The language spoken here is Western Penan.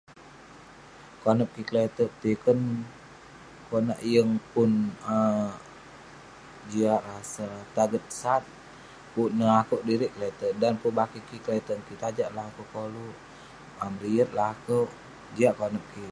Konep kik kle'terk petikern, konak yeng pun um jiak rasa..petaget sat, pukuk neh akouk sedirik kle'terk..dan pun bakeh kik kle'terk ngan kik, tajak lah akouk koluk..meriyet lah akouk..jiak konep kik..